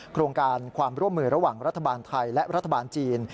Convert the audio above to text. โครงการความร่วมมือระหว่างรัฐบาลไทยและรัฐบาลจีน